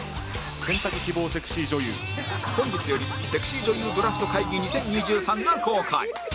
「選択希望セクシー女優」本日よりセクシー女優ドラフト会議２０２３が公開